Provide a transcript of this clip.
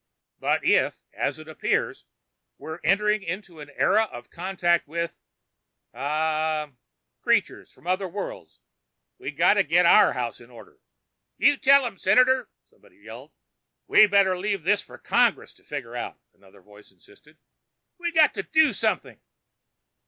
But if, as it appears, we're entering into an era of contact with ... ah ... creatures from other worlds, we've got to get our house in order." "You tell 'em, Senator!" someone yelled. "We better leave this for Congress to figger out!" another voice insisted. "We got to do something...."